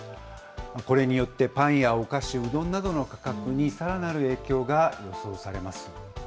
これによってパンやお菓子、うどんなどの価格にさらなる影響が予想されます。